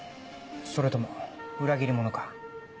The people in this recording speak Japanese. それとも裏切り者か。